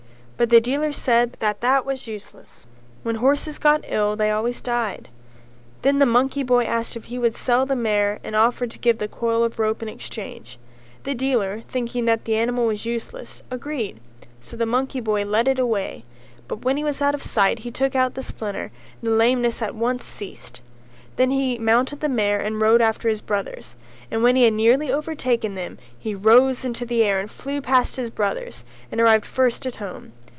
But the dealer said that that was useless: when horses got ill they always died; then the monkey boy asked if he would sell the mare and offered to give the coil of rope in exchange; the dealer, thinking that the animal was useless, agreed, so the monkey boy led it away, but when he was out of sight he took out the splinter and the lameness at once ceased. Then he mounted the mare and rode after his brothers, and when he had nearly overtaken them he rose into the air and flew past his brothers and arrived first at home.